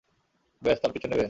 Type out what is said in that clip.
ব্যস তার পিছু নেবে?